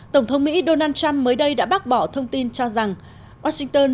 tổng thống mỹ donald trump mới đây đã bác bỏ thông tin cho rằng washington